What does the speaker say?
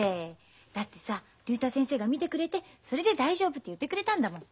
だってさ竜太先生が診てくれてそれで大丈夫って言ってくれたんだもん。